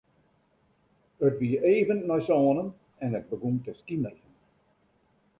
It wie even nei sânen en it begûn te skimerjen.